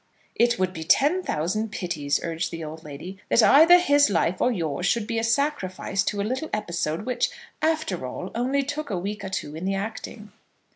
"It would be ten thousand pities," urged the old lady, "that either his life or yours should be a sacrifice to a little episode, which, after all, only took a week or two in the acting."